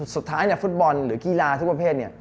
สุดท้ายฟุตบอลหรือกีฬาทุกประเภทเนี่ย